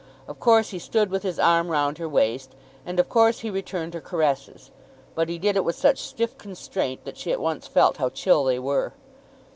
Of course he stood with his arm round her waist, and of course he returned her caresses; but he did it with such stiff constraint that she at once felt how chill they were.